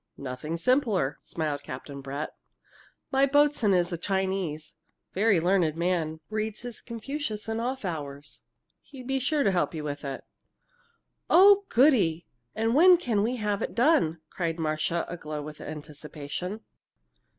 "Nothing simpler!" smiled Captain Brett. "My boatswain is a Chinese very learned man reads his Confucius in off hours! He'd be sure to help you with it." "Oh, goody! And when can we have it done?" cried Marcia, aglow with anticipation.